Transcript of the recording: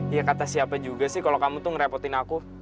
ya kata siapa juga sih kalau kamu tuh ngerepotin aku